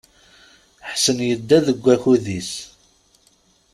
Ḥsen yedda deg wakud-is.